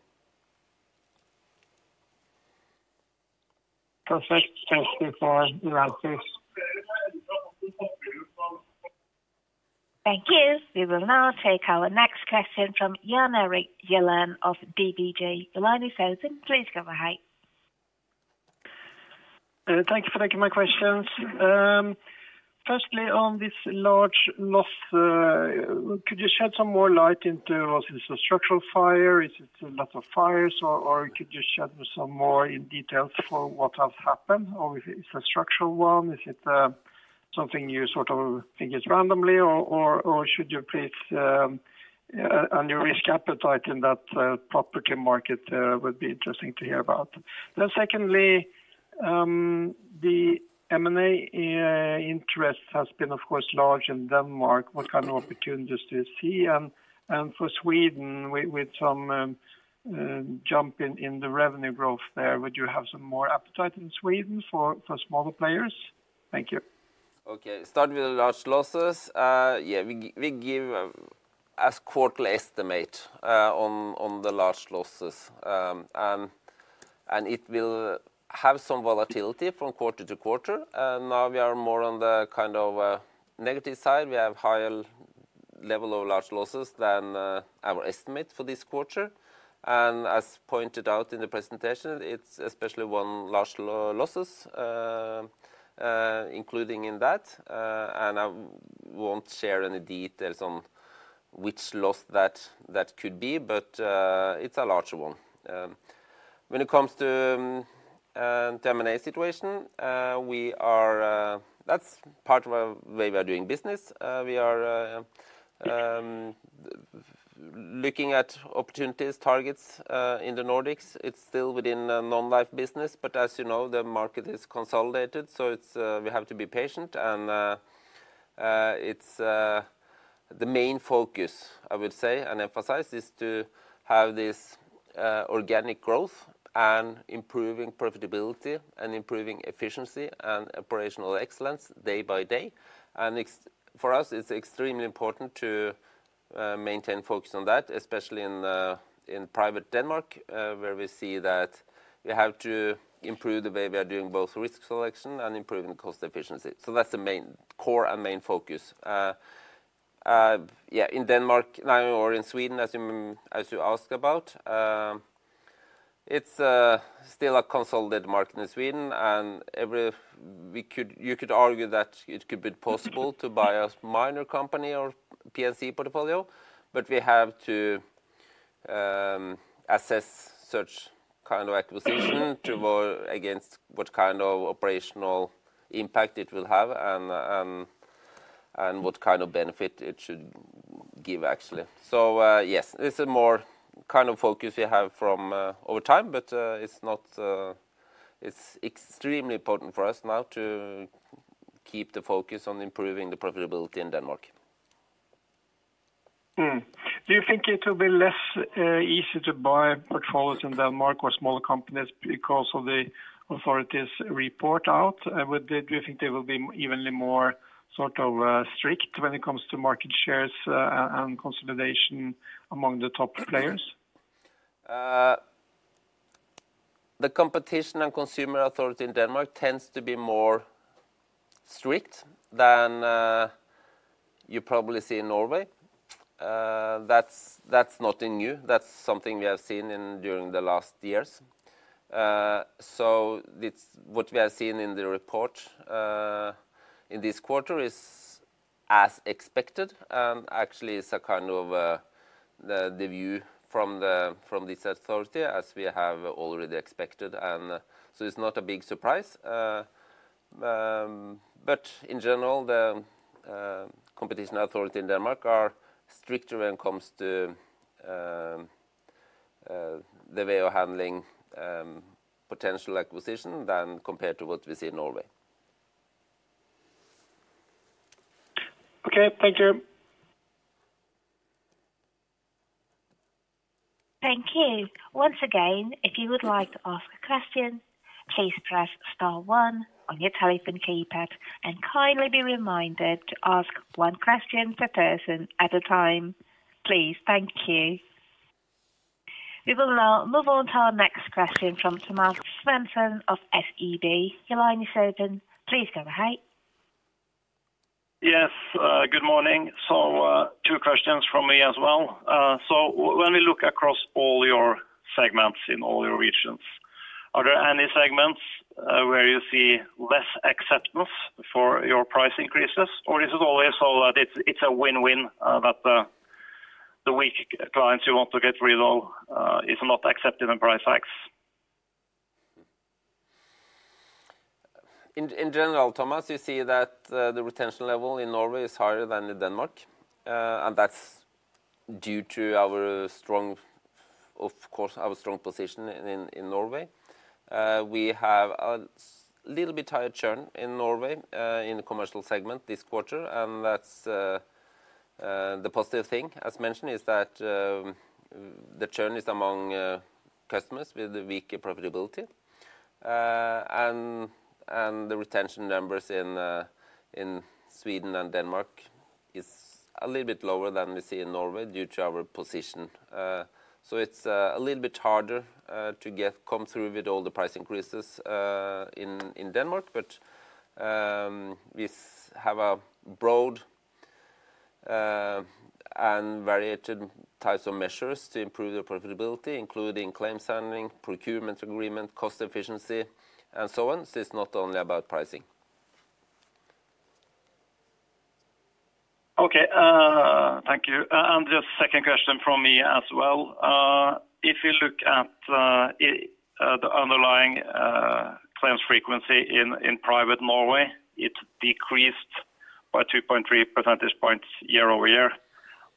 Perfect. Thank you for your answers. Thank you. We will now take our next question from Jan Erik Gjerland of ABG. The line is open. Please go ahead. Thank you for taking my questions. Firstly, on this large loss, could you shed some more light into what is a structural fire? Is it a lot of fires? Could you shed some more details for what has happened? Or if it is a structural one, is it something you sort of think is randomly? Should you place a new risk appetite in that property market? That would be interesting to hear about. Secondly, the M&A interest has been, of course, large in Denmark. What kind of opportunities do you see? For Sweden, with some jump in the revenue growth there, would you have some more appetite in Sweden for smaller players? Thank you. Okay. Starting with the large losses, we give a quarterly estimate on the large losses. It will have some volatility from quarter to quarter. Now we are more on the kind of negative side. We have a higher level of large losses than our estimate for this quarter. As pointed out in the presentation, it is especially one large loss included in that. I will not share any details on which loss that could be, but it is a larger one. When it comes to the M&A situation, that's part of the way we are doing business. We are looking at opportunities, targets in the Nordics. It's still within non-life business, but as you know, the market is consolidated, so we have to be patient. The main focus, I would say, and emphasize is to have this organic growth and improving profitability and improving efficiency and operational excellence day by day. For us, it's extremely important to maintain focus on that, especially in private Denmark, where we see that we have to improve the way we are doing both risk selection and improving cost efficiency. That's the core and main focus. Yeah, in Denmark now or in Sweden, as you asked about, it's still a consolidated market in Sweden. You could argue that it could be possible to buy a minor company or P&C portfolio, but we have to assess such kind of acquisition against what kind of operational impact it will have and what kind of benefit it should give, actually. Yes, it's a more kind of focus we have from over time, but it's extremely important for us now to keep the focus on improving the profitability in Denmark. Do you think it will be less easy to buy portfolios in Denmark or smaller companies because of the Authority's report out? Do you think they will be evenly more sort of strict when it comes to market shares and consolidation among the top players? The Competition and Consumer Authority in Denmark tends to be more strict than you probably see in Norway. That's nothing new. That's something we have seen during the last years. What we have seen in the report in this quarter is as expected. Actually, it's a kind of the view from this authority as we have already expected. It's not a big surprise. In general, the Competition Authority in Denmark are stricter when it comes to the way of handling potential acquisition than compared to what we see in Norway. Okay. Thank you. Thank you. Once again, if you would like to ask a question, please press star one on your telephone keypad and kindly be reminded to ask one question per person at a time. Please, thank you. We will now move on to our next question from Thomas Svendsen of SEB. Your line is open. Please go ahead. Yes. Good morning. Two questions from me as well. When we look across all your segments in all your regions, are there any segments where you see less acceptance for your price increases? Or is it always so that it's a win-win that the weak clients you want to get rid of is not accepted in price hikes? In general, Thomas, you see that the retention level in Norway is higher than in Denmark. That's due to, of course, our strong position in Norway. We have a little bit higher churn in Norway in the Commercial segment this quarter. The positive thing, as mentioned, is that the churn is among customers with the weaker profitability. The retention numbers in Sweden and Denmark is a little bit lower than we see in Norway due to our position. It's a little bit harder to come through with all the price increases in Denmark. We have broad and variated types of measures to improve the profitability, including claims handling, procurement agreement, cost efficiency, and so on. It is not only about pricing. Okay. Thank you. Just a second question from me as well. If you look at the underlying claims frequency in Private Norway, it decreased by 2.3 percentage points year-over-year,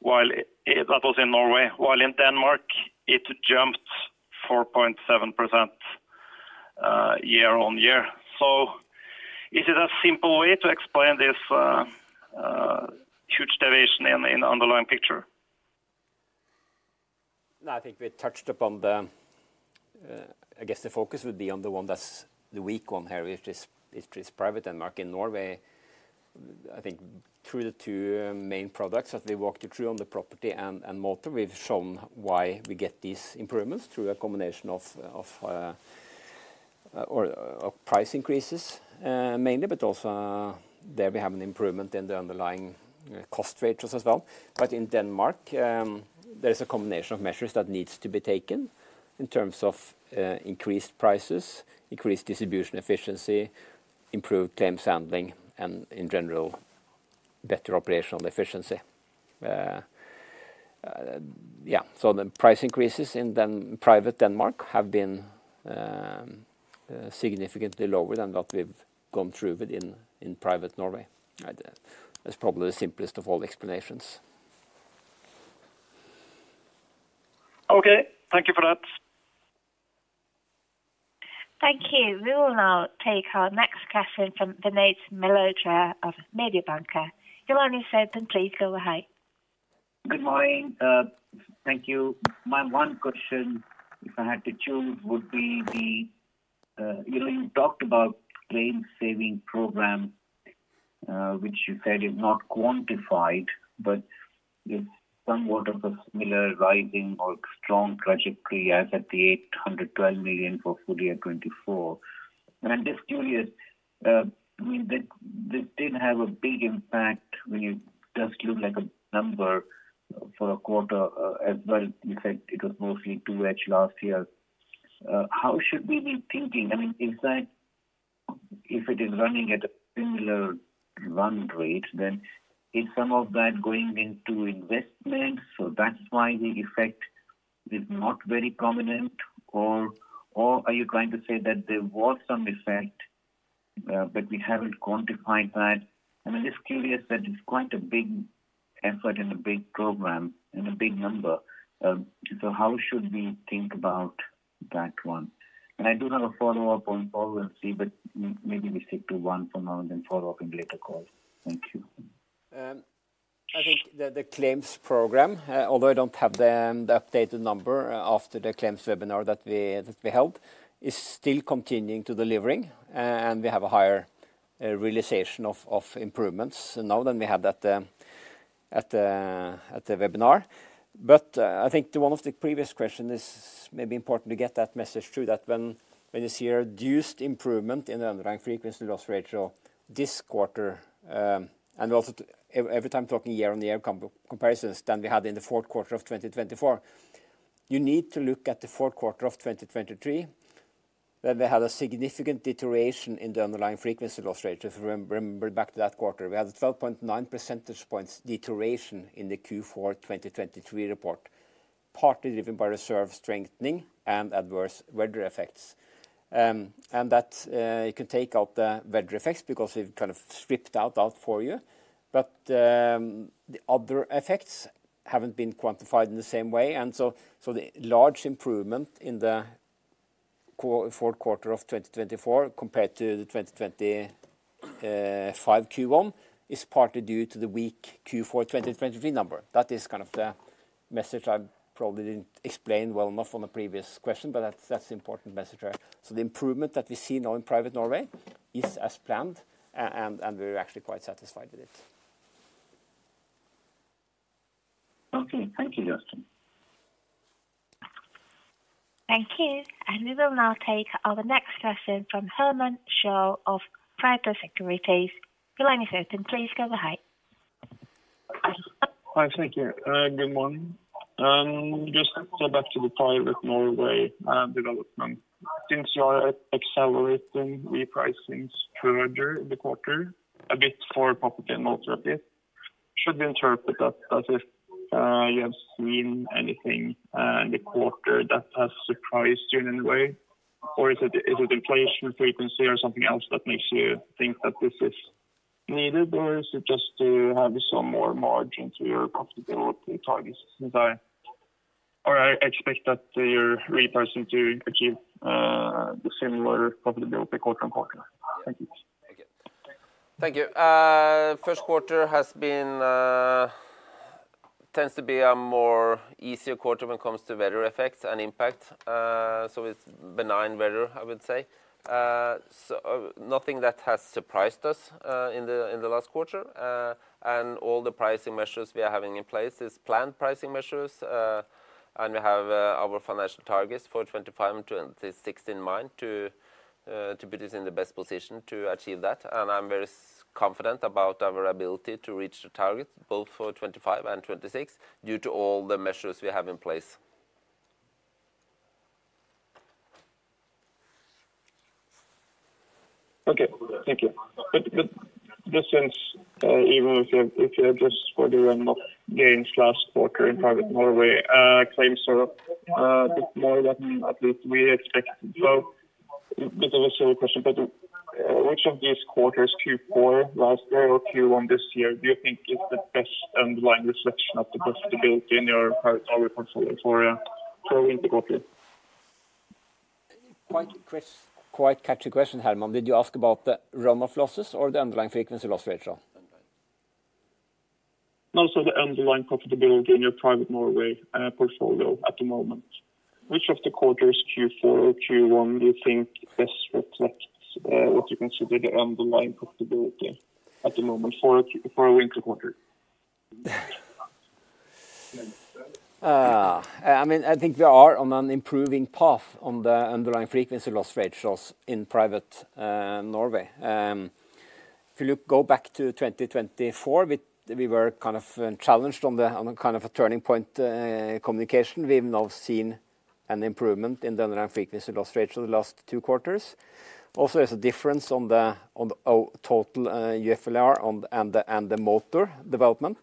while that was in Norway. In Denmark, it jumped 4.7% year-on-year. Is it a simple way to explain this huge deviation in the underlying picture? No, I think we touched upon the, I guess the focus would be on the one that is the weak one here, which is Private Denmark. In Norway, I think through the two main products that we walked you through on the Property and Motor, we have shown why we get these improvements through a combination of price increases, mainly. But also there we have an improvement in the underlying cost ratios as well. In Denmark, there is a combination of measures that needs to be taken in terms of increased prices, increased distribution efficiency, improved claims handling, and in general, better operational efficiency. Yeah. The price increases in Private Denmark have been significantly lower than what we've gone through with in Private Norway. That's probably the simplest of all explanations. Okay. Thank you for that. Thank you. We will now take our next question from Vinit Malhotra of Mediobanca. The line is open. Please go ahead. Good morning. Thank you. My one question, if I had to choose, would be the, you know, you talked about claims-saving program, which you said is not quantified, but it's somewhat of a similar rising or strong trajectory as at the 812 million for full year 2024. I'm just curious, I mean, this didn't have a big impact when you just looked at the number for a quarter as well. You said it was mostly 2H last year. How should we be thinking? I mean, if it is running at a similar run rate, then is some of that going into investment? That's why the effect is not very prominent. Are you trying to say that there was some effect, but we haven't quantified that? I mean, just curious that it's quite a big effort and a big program and a big number. How should we think about that one? I do have a follow-up on solvency, but maybe we stick to one for now and then follow up in a later call. Thank you. I think the claims program, although I don't have the updated number after the claims webinar that we held, is still continuing to delivering. We have a higher realization of improvements now than we had at the webinar. I think one of the previous questions is maybe important to get that message through, that when you see a reduced improvement in the underlying frequency loss ratio this quarter, and also every time talking year-on-year comparisons, than we had in the fourth quarter of 2024, you need to look at the fourth quarter of 2023. We had a significant deterioration in the underlying frequency loss ratio. Remember back to that quarter, we had a 12.9 percentage points deterioration in the Q4 2023 report, partly driven by reserve strengthening and adverse weather effects. You can take out the weather effects because we've kind of stripped out that for you. The other effects haven't been quantified in the same way. The large improvement in the fourth quarter of 2024 compared to the 2025 Q1 is partly due to the weak Q4 2023 number. That is the message I probably didn't explain well enough on the previous question, but that's an important message there. The improvement that we see now in Private Norway is as planned, and we're actually quite satisfied with it. Thank you, Jostein. Thank you. We will now take our next question from Herman Zahl of Pareto Securities. Your line is open. Please go ahead. Hi. Thank you. Good morning. Just go back to the Private Norway development. Since you are accelerating the pricings further in the quarter, a bit for Property and Motor a bit, should we interpret that as if you have seen anything in the quarter that has surprised you in any way? Is it inflation, frequency, or something else that makes you think that this is needed? Is it just to have some more margin to your profitability targets? I expect that you repricing to achieve the similar profitability quarter-on-quarter. Thank you. Thank you. First quarter has been tends to be a more easier quarter when it comes to weather effects and impact. It is benign weather, I would say. Nothing that has surprised us in the last quarter. All the pricing measures we are having in place is planned pricing measures. We have our financial targets for 2025 and 2026 in mind to put us in the best position to achieve that. I'm very confident about our ability to reach the targets both for 2025 and 2026 due to all the measures we have in place. Thank you. This seems, even if you just [NOK 41] gained last quarter in Private Norway, claims are a bit more than at least we expected. A bit of a silly question, but which of these quarters, Q4 last year or Q1 this year, do you think is the best underlying reflection of the profitability in your current consolidatory for the quarter? Quite catchy question, Herman. Did you ask about the run-off losses or the underlying frequency loss ratio? No, the underlying profitability in your Private Norway portfolio at the moment. Which of the quarters, Q4 or Q1, do you think best reflects what you consider the underlying profitability at the moment for a winter quarter? I mean, I think we are on an improving path on the underlying frequency loss ratios in private Norway. If you look go back to 2024, we were kind of challenged on the kind of a turning point communication. We've now seen an improvement in the underlying frequency loss ratio in the last two quarters. Also, there's a difference on the total UFLR and the Motor development.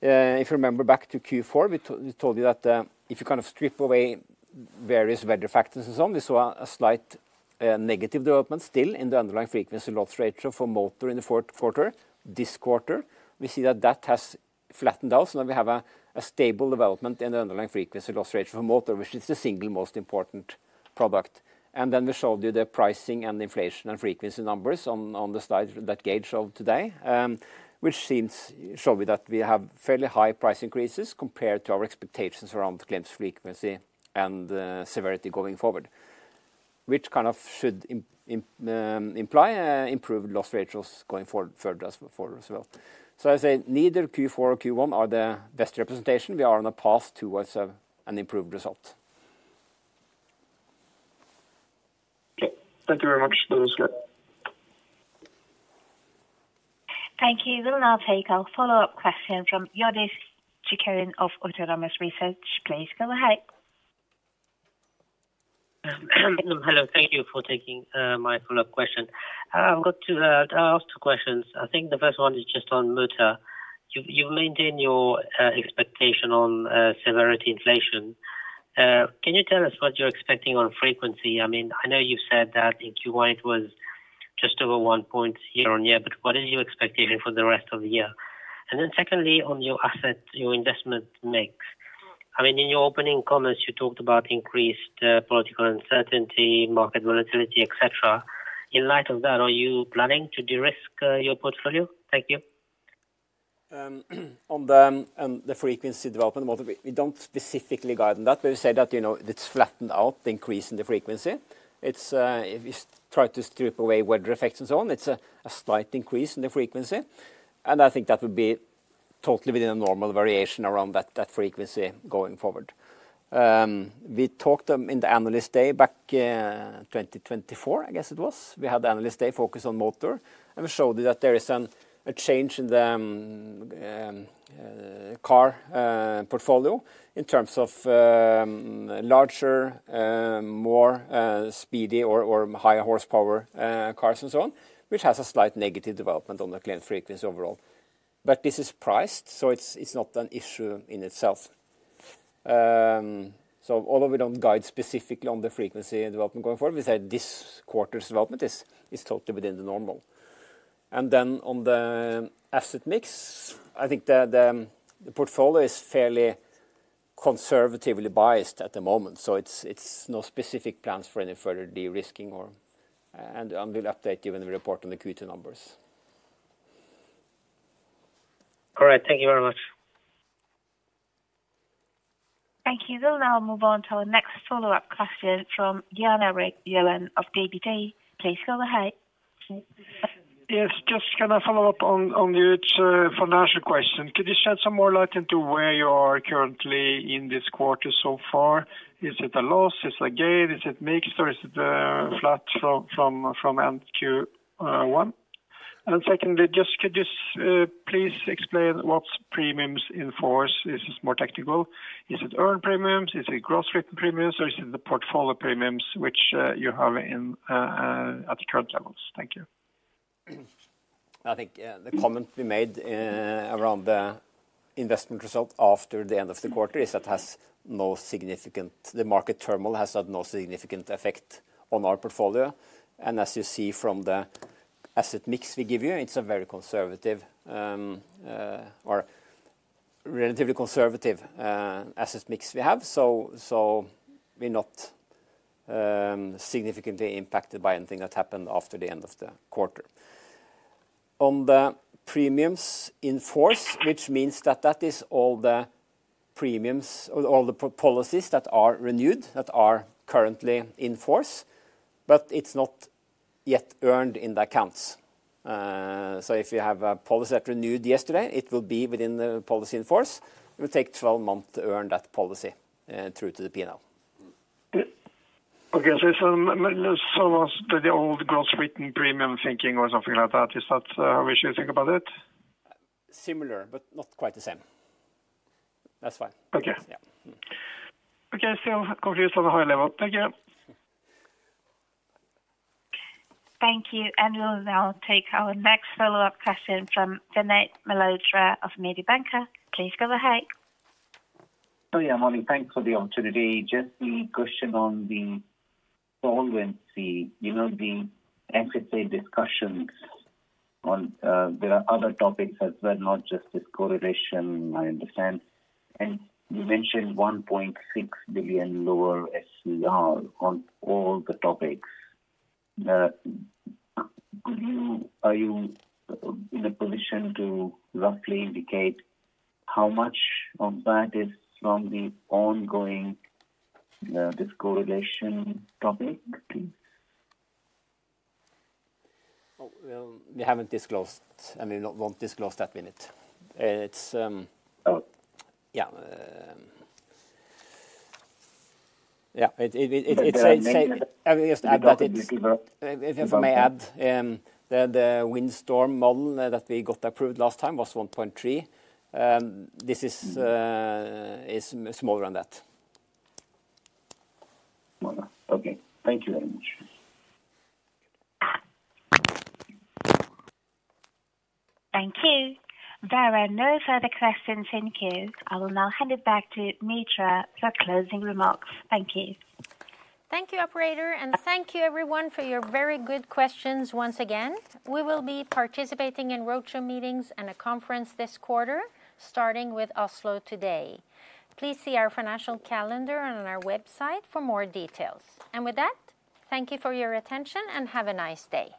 If you remember back to Q4, we told you that if you kind of strip away various weather factors and so on, we saw a slight negative development still in the underlying frequency loss ratio for Motor in the fourth quarter. This quarter, we see that that has flattened out. Now we have a stable development in the underlying frequency loss ratio for Motor, which is the single most important product. We showed you the pricing and inflation and frequency numbers on the slide that Geir showed today, which showed me that we have fairly high price increases compared to our expectations around claims frequency and severity going forward, which kind of should imply improved loss ratios going forward as well. I would say neither Q4 or Q1 are the best representation. We are on a path towards an improved result. Okay. Thank you very much. That was great. Thank you. We will now take our follow-up question from Youdish Chicooree of Autonomous Research. Please go ahead. Hello. Thank you for taking my follow-up question. I've got two questions. I think the first one is just on Motor. You've maintained your expectation on severity inflation. Can you tell us what you're expecting on frequency? I mean, I know you've said that in Q1 it was just over one point year-on-year, but what is your expectation for the rest of the year? Secondly, on your asset, your investment mix. I mean, in your opening comments, you talked about increased political uncertainty, market volatility, etc. In light of that, are you planning to de-risk your portfolio? Thank you. On the frequency development, we don't specifically guide on that, but we say that it's flattened out, the increase in the frequency. We try to strip away weather effects and so on. It's a slight increase in the frequency. I think that would be totally within a normal variation around that frequency going forward. We talked in the Analyst Day back in 2024, I guess it was. We had the Analyst Day focused on Motor. We showed you that there is a change in the car portfolio in terms of larger, more speedy or higher horsepower cars and so on, which has a slight negative development on the claim frequency overall. This is priced, so it's not an issue in itself. Although we don't guide specifically on the frequency development going forward, we say this quarter's development is totally within the normal. On the asset mix, I think the portfolio is fairly conservatively biased at the moment. There are no specific plans for any further de-risking, and we'll update you when we report on the Q2 numbers. All right. Thank you very much. Thank you. We'll now move on to our next follow-up question from Jan Erik Gjerland of ABG. Please go ahead. Yes. Just can I follow up on your financial question? Could you shed some more light into where you are currently in this quarter so far? Is it a loss? Is it a gain? Is it mixed? Is it flat from end Q1? Secondly, just could you please explain what premiums in force is? This is more technical. Is it earned premiums? Is it gross written premiums? Is it the portfolio premiums which you have at the current levels? Thank you. I think the comment we made around the investment result after the end of the quarter is that it has no significant—the market turmoil has had no significant effect on our portfolio. As you see from the asset mix we give you, it is a very conservative or relatively conservative asset mix we have. We are not significantly impacted by anything that happened after the end of the quarter. On the premiums in force, which means that that is all the premiums, all the policies that are renewed, that are currently in force, but it's not yet earned in the accounts. If you have a policy that renewed yesterday, it will be within the policy in force. It will take 12 months to earn that policy through to the P&L. Okay. What's the old gross written premium thinking or something like that? Is that how we should think about it? Similar, but not quite the same. That's fine. Yeah. Okay. Still confused on the high level. Thank you. Thank you. We'll now take our next follow-up question from Vinit Malhotra of Mediobanca. Please go ahead. Oh, yeah. Morning. Thanks for the opportunity. Just the question on the solvency, the FSA discussions on there are other topics as well, not just this correlation, I understand. You mentioned 1.6 billion lower SCR on all the topics. Are you in a position to roughly indicate how much of that is from the ongoing miscorrelation topic, please? We have not disclosed. I mean, we will not disclose that minute. Yeah. I mean, just to add that, if I may add, the windstorm model that we got approved last time was 1.3 billion. This is smaller than that. Okay. Thank you very much. Thank you. There are no further questions in queue. I will now hand it back to Mitra for closing remarks. Thank you. Thank you, operator. Thank you, everyone, for your very good questions once again. We will be participating in roadshow meetings and a conference this quarter, starting with Oslo today. Please see our financial calendar on our website for more details. With that, thank you for your attention and have a nice day.